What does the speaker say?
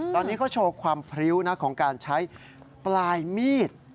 ตอนนี้เขาโชว์ความพริ้วนะของการใช้ปลายมีด